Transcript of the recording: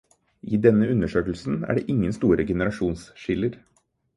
I denne undersøkelsen er det ingen store generasjonsskiller.